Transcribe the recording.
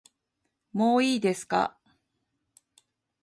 もういいですか